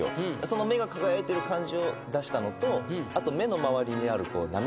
その目が輝いてる感じを出したのとあと目の周りにある涙